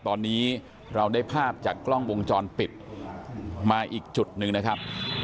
ตอนนี้เราได้ภาพจากกล้องวงจรปิดมาอีกจุดหนึ่งนะครับ